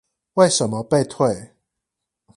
為什麼被退